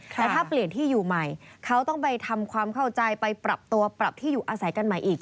แต่ถ้าเปลี่ยนที่อยู่ใหม่เขาต้องไปทำความเข้าใจไปปรับตัวปรับที่อยู่อาศัยกันใหม่อีก